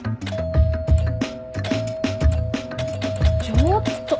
ちょっと。